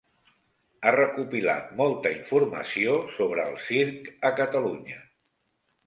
Ha recopilat molta informació sobre el circ a Catalunya.